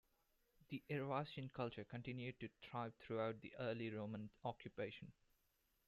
The Eravascian culture continued to thrive throughout the early Roman occupation.